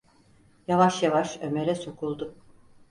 Yavaş yavaş Ömer’e sokuldu: